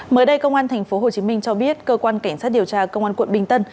mới đây công an tp hcm cho biết cơ quan cảnh sát điều tra công an quận bình tân